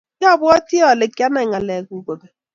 kiabwatii ale kianai ngalekuk kobek.